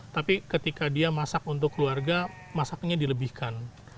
tapi ketika dia masak untuk keluarga masaknya dilebihkan